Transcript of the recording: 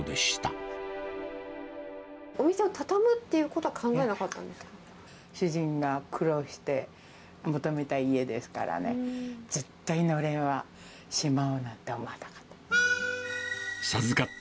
お店を畳むっていうことは考主人が苦労して求めた家ですからね、絶対のれんはしまうなんて思わなかった。